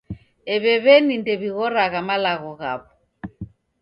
Ew'e w'eni ndewighoragha malagho ghaw'o.